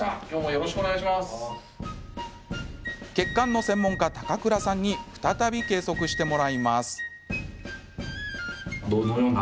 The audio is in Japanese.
血管の専門家、高倉さんに再び計測してもらいます。